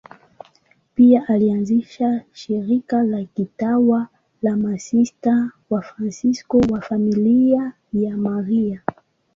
Pia alianzisha shirika la kitawa la Masista Wafransisko wa Familia ya Maria.